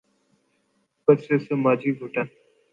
اوپر سے سماجی گھٹن۔